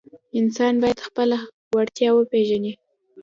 انسان باید خپله وړتیا وپیژني.